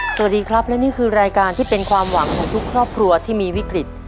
สวัสดีครับและนี่คือรายการที่เป็นความหวังของทุกครอบครัวที่มีวิกฤต